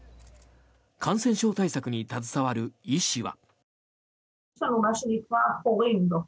感染症対策に携わる医師は。